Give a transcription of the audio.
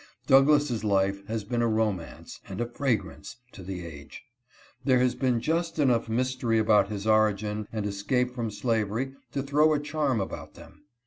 Douglass' life has been a romance — and a fragrance — to the age. There has been just enough mystery about his origin and escape from slavery to throw a charm about them.